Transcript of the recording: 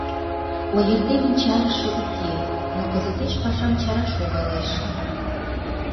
Ойыртемын чарыше уке, но кызытеш пашам чараш логалеш...